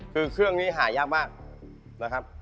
คือเครื่องนี้หายากมากนะครับ